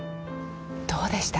どうでした？